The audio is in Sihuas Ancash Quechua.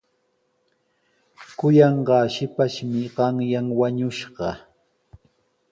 Kuyanqaa shipashmi qanyan wañushqa.